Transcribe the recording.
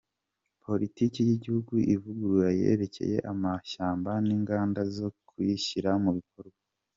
Politiki y’Igihugu ivuguruye yerekeye Amashyamba n’Ingamba zo kuyishyira mu bikorwa;